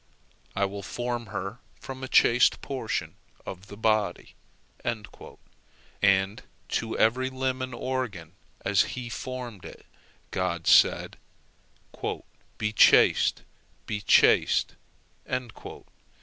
I will form her from a chaste portion of the body," and to every limb and organ as He formed it, God said, "Be chaste! Be chaste!"